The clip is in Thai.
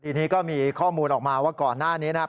ทีนี้ก็มีข้อมูลออกมาว่าก่อนหน้านี้นะครับ